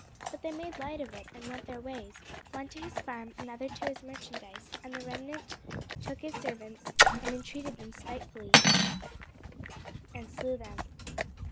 But they made light of it, and went their ways, one to his farm, another to his merchandise: and the remnant took his servants, and entreated them spitefully, and slew them.